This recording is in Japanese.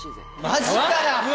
マジかよ